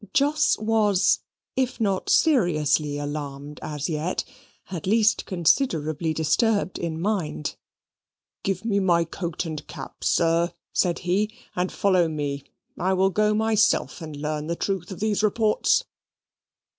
Jos was, if not seriously alarmed as yet, at least considerably disturbed in mind. "Give me my coat and cap, sir," said he, "and follow me. I will go myself and learn the truth of these reports."